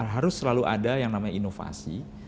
harus selalu ada yang namanya inovasi